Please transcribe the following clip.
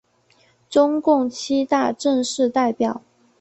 中共七大正式代表。